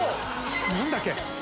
何だっけ？